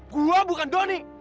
gue bukan doni